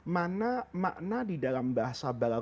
mana makna di dalam bahasa balapan